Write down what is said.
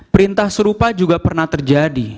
perintah serupa juga pernah terjadi